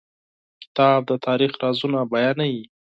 کتاب د تاریخ رازونه بیانوي.